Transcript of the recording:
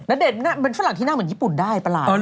ณเดชน์เป็นฝรั่งที่หน้าเหมือนญี่ปุ่นได้ประหลาด